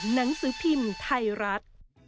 หนังสือพิมพ์ไทยรัฐ